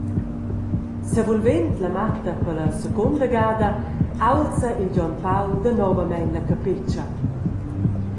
Sevulvend la matta per la secunda gada, aulza il Gion Paul danovamein la capetscha.